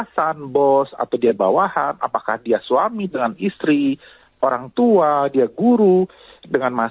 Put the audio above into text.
sampai jumpa di video selanjutnya